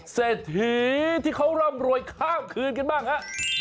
เศรษฐีที่เขาร่ำรวยข้ามคืนกันบ้างฮะ